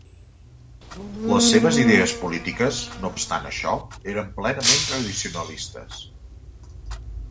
Les seves idees polítiques, no obstant això, eren plenament tradicionalistes.